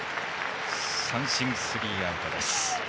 三振、スリーアウトです。